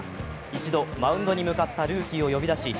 一度マウンドに向かったルーキーを呼び出し